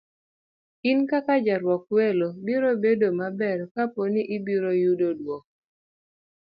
In kaka jarwak welo, biro bedo maber kapo ni ibiro yudo duoko